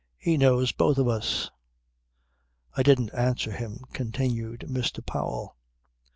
'E knows both of us." "I didn't answer him," continued Mr. Powell.